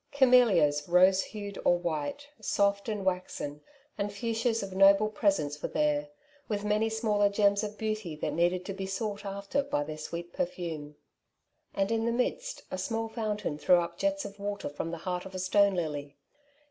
Camellias, rose bued or white, soft and waxen, and fuchsias of noble presence were there, with many smaller gems of beauty that needed to be sought after by their sweet perfume. And in 14 " Two Sides to every Question^ the midst a small fountain threw up jets of water from the heart of a stone lily.